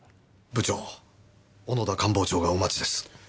部長小野田官房長がお待ちです。